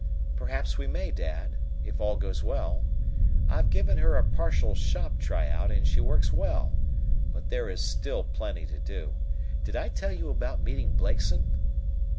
"Perhaps we may, Dad, if all goes well. I've given her a partial shop tryout, and she works well. But there is still plenty to do. Did I tell you about meeting Blakeson?"